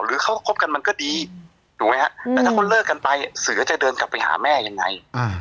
หรือเขาก็คบกันมันก็ดีถูกไหมฮะแต่ถ้าเขาเลิกกันไปเสือจะเดินกลับไปหาแม่ยังไง